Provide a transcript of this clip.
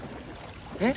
えっ？